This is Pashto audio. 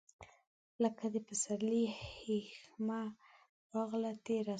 لکه د پسرلي هیښمه راغله، تیره سوه